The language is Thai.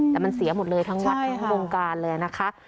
แต่มันเสียหมดเลยทั้งวัดทั้งวงการเลยนะคะ